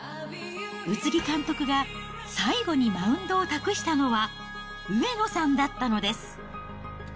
宇津木監督が最後にマウンドを託したのは上野さんだったのです。